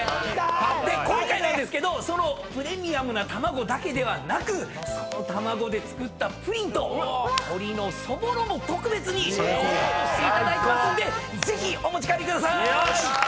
で今回なんですけどそのプレミアムな卵だけではなくその卵で作ったプリンと鶏のそぼろも特別にセットにしていただいてますんでぜひお持ち帰りくださーい！